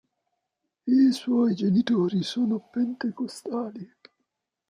I suoi genitori sono pentecostali.